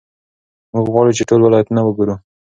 موږ غواړو چې ټول ولایتونه وګورو.